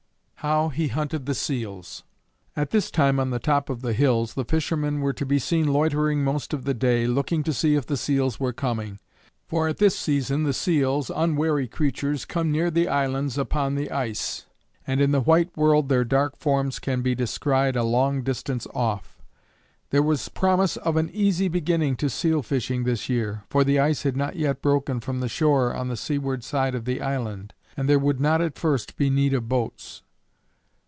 HOW HE HUNTED THE SEALS. At this time on the top of the hills the fishermen were to be seen loitering most of the day, looking to see if the seals were coming, for at this season the seals, unwary creatures, come near the islands upon the ice, and in the white world their dark forms can be descried a long distance off. There was promise of an easy beginning to seal fishing this year, for the ice had not yet broken from the shore on the seaward side of the island, and there would not at first be need of boats.